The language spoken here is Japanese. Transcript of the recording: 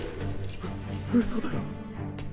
ううそだろ。